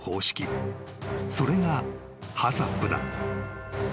［それがＨＡＣＣＰだ］